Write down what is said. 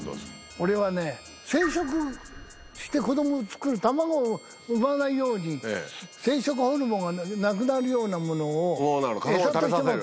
俺はね生殖して子供をつくる卵を産まないように生殖ホルモンがなくなるようなものをエサとしてまく。